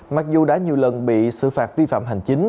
mặc dù đã nhiều lần bị xử phạt vi phạm hành chính